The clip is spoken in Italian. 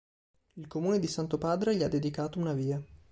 Il comune di Santopadre gli ha dedicato una via.